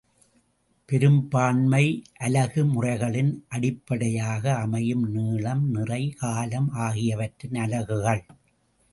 பெரும்பான்மை அலகு முறைகளின் அடிப்படையாக அமையும் நீளம்,, நிறை, காலம் ஆகியவற்றின் அலகுகள்.